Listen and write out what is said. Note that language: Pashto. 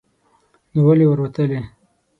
نو ولې ور وتلې